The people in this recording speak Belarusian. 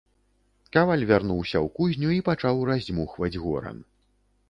Каваль вярнуўся ў кузню і пачаў раздзьмухваць горан.